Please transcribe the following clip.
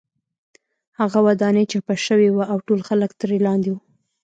هغه ودانۍ چپه شوې وه او ټول خلک ترې لاندې وو